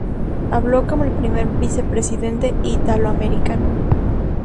Habló como el primer vicepresidente italoamericano.